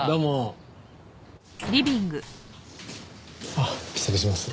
あっ失礼します。